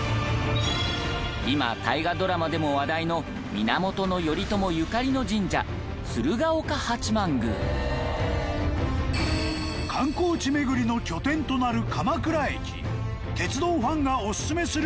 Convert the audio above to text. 今大河ドラマでも話題の源頼朝ゆかりの神社観光地巡りの拠点となる鎌倉駅。